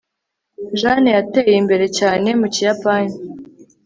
Jane yateye imbere cyane mu Kiyapani